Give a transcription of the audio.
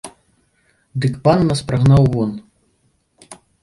Дык пан нас прагнаў вон.